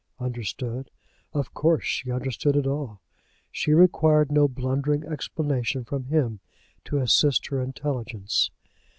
Understood! Of course she understood it all. She required no blundering explanation from him to assist her intelligence.